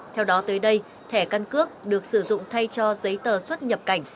theo đó tới đây thẻ căn cước được sử dụng thay cho giấy tờ xuất nhập cảnh